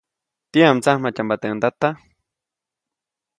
¿tiyam mdsamjatyamba teʼ ndata?